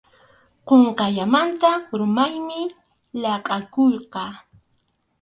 Qunqayllamanta urmaymi laqʼakuyqa.